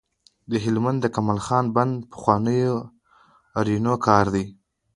د هلمند د کمال خان بند د پخوانیو آرینو کار دی